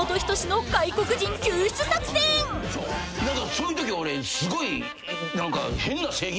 そういうとき俺すごい。